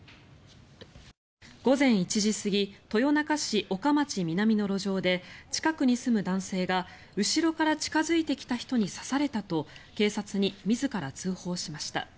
午前１時過ぎ豊中市岡町南の路上で近くに住む男性が後ろから近付いてきた人に刺されたと警察に自ら通報しました。